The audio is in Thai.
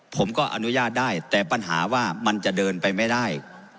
ผมก็อนุญาตได้แต่ปัญหาว่ามันจะเดินไปไม่ได้